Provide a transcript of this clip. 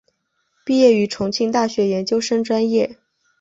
毕业于重庆大学研究生专业。